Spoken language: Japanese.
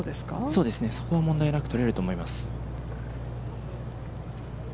そうですね、そこは問題なくとれると思います。